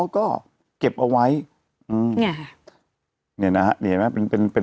ก็เก็บเอาไว้อืมเนี่ยค่ะเนี่ยนะฮะนี่เห็นไหมเป็นเป็นเป็น